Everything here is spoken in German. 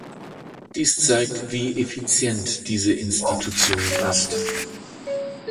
Dies zeigt, wie effizient diese Institution ist.